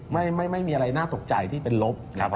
ไม่มีอะไรน่าตกใจที่เป็นลบ